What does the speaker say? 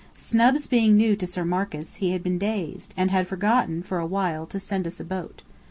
Snubs being new to Sir Marcus, he had been dazed, and had forgotten for a while to send us a boat.